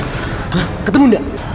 hah ketemu gak